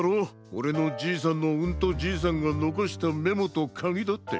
オレのじいさんのうんとじいさんがのこしたメモとかぎだって。